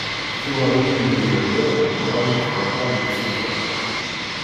Tiwaɣiyin n yiberdan uɣalent d aṭṭan n tsuta.